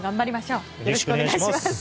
よろしくお願いします。